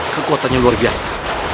kekuatannya luar biasa